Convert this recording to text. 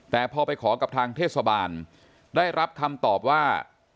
แต่พอไปขอกับทางเทศบาลได้รับคำตอบว่า